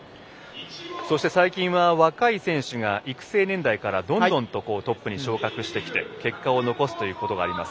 そして、最近は若い選手が育成年代からどんどんとトップに昇格してきて結果を残すということがあります。